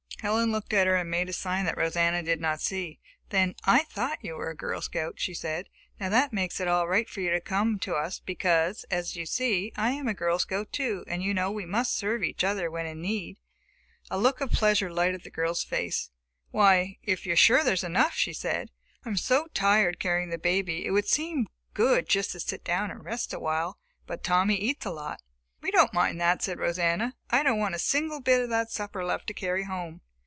Helen looked at her and made a sign that Rosanna did not see. Then "I thought you were a Girl Scout," she said. "Now that makes it all right for you to come to us because, as you see, I am a Girl Scout too, and you know we must serve each other when in need." A look of pleasure lighted the girl's face. "Why, if you are sure there is enough," she said. "I am so tired carrying the baby, it would seem good just to sit down and rest awhile. But Tommy eats a lot." "We don't mind that," said Rosanna. "I don't want a single bit of that supper left to carry home."